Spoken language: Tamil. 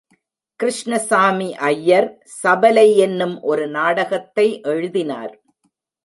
கிருஷ்ணசாமி ஐயர் சபலை என்னும் ஒரு நாடகத்தை எழுதினார்.